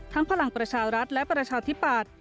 ทั้งพลังประชารัฐและประชาธิบัติ